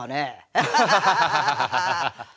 アハハハハ。